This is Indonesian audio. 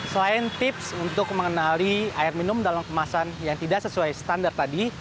selain tips untuk mengenali air minum dalam kemasan yang tidak sesuai standar tadi